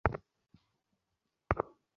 এই কে আছিস, স্যারের কয়েকটা দাঁত টেনে তুলে ফেল।